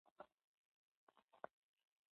موږ باید د قانوني لارو چارو ملاتړ وکړو